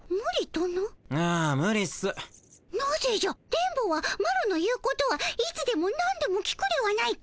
電ボはマロの言うことはいつでもなんでも聞くではないか。